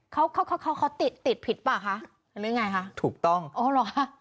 เขาเขาเขาติดติดผิดเปล่าคะหรือไงคะถูกต้องอ๋อเหรอคะ